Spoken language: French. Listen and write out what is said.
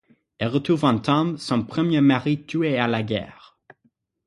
Elle retrouve en Tom son premier mari tué à la guerre.